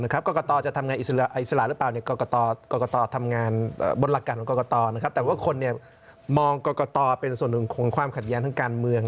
กรกตจะทำงานอิสระหรือเปล่ากรกตทำงานบนหลักการของกรกตแต่ว่าคนมองกรกตเป็นส่วนหนึ่งของความขัดแย้งทางการเมือง